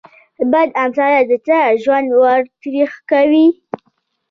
بد همسایه د چا ژوند ور تريخ کوي.